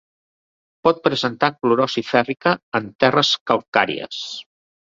Pot presentar clorosi fèrrica en terres calcàries.